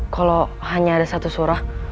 kalau hanya ada satu surah